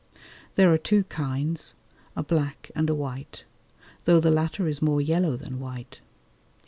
There are two kinds, a black and a white, though the latter is more yellow than white.